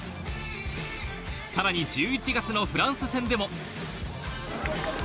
さらに１１月のフランス戦でも。